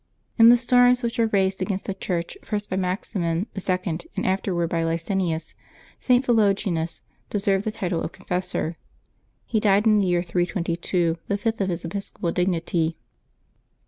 In the storms which were raised against the Church, first by Maximin II. and afterward by Licinius, St. Philogonius deserved the title of Confessor; he died in the year 322, the fifth of his episcopal dignity.